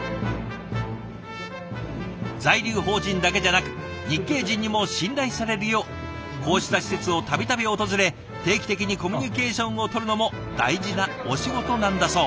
在留邦人だけじゃなく日系人にも信頼されるようこうした施設を度々訪れ定期的にコミュニケーションをとるのも大事なお仕事なんだそう。